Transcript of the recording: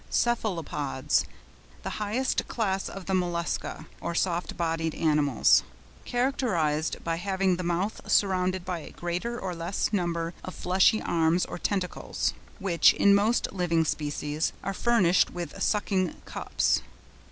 CEPHALOPODS.—The highest class of the Mollusca, or soft bodied animals, characterised by having the mouth surrounded by a greater or less number of fleshy arms or tentacles, which, in most living species, are furnished with sucking cups.